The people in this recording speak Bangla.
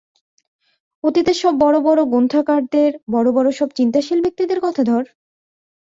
অতীতের বড় বড় সব গ্রন্থকারদের, বড় বড় সব চিন্তাশীল ব্যক্তিদের কথা ধর।